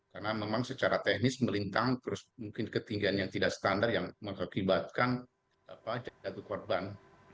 karena memang secara teknis melintang terus mungkin ketinggian yang tidak standar yang mengakibatkan jatuh korban